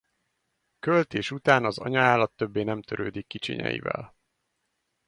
Költés után az anyaállat többé nem törődik kicsinyeivel.